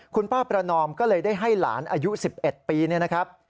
คุณป้าประนอมก็เลยได้ให้หลานอายุ๑๑ปีเนี่ยนะครับ